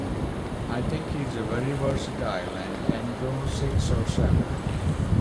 I think he is very versatile and can go six or seven.